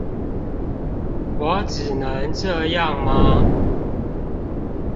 我只能這樣嗎？